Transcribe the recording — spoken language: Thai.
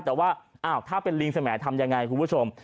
แต่ว่าถ้าเป็นลิงสมัยทำยังไงคุณผู้ชม